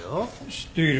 知っている。